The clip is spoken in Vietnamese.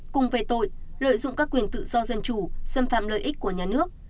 cùng về tội lợi dụng các quyền tự do dân chủ xâm phạm lợi ích của nhà nước